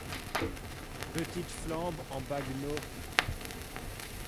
Petite flambe en baguenaud